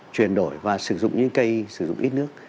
chuyển đổi và sử dụng những cây sử dụng ít nước